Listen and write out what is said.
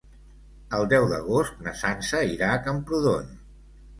El deu d'agost na Sança irà a Camprodon.